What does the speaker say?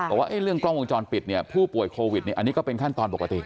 ว่าเรื่องกล้องวงจรปิดเนี่ยผู้ป่วยโควิดเนี่ยอันนี้ก็เป็นขั้นตอนปกติ